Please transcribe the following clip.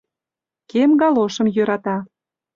Кем галошым йӧрата.